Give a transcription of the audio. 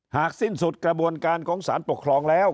สิ้นสุดกระบวนการของสารปกครองแล้ว